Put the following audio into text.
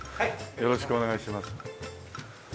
よろしくお願いします。